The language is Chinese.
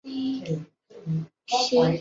山达基赞助了多种社会服务计画。